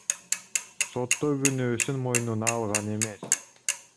сотто күнөөсүн мойнуна алган эмес.